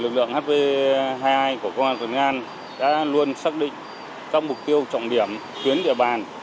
lực lượng hp hai mươi hai của công an tp hcm đã luôn xác định các mục tiêu trọng điểm khiến địa bàn